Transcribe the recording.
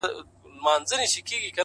لكه برېښنا،